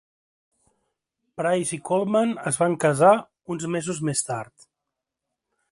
Price i Coleman es van casar uns mesos més tard.